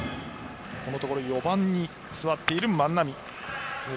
このところ４番に座る万波。